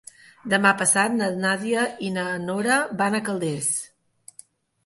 Demà passat na Nàdia i na Nora van a Calders.